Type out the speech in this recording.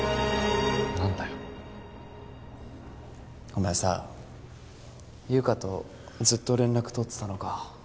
お前さ優香とずっと連絡取ってたのか？